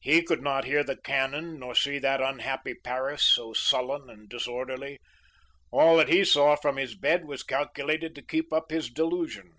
He could not hear the cannon nor see that unhappy Paris, so sullen and disorderly. All that he saw from his bed was calculated to keep up his delusion.